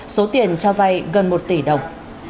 số tiền cho vay gần một tỷ đồng